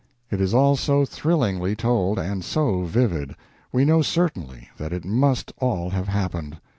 It is all so thrillingly told and so vivid. We know certainly that it must all have happened.